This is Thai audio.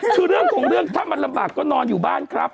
คือเรื่องของเรื่องถ้ามันลำบากก็นอนอยู่บ้านครับ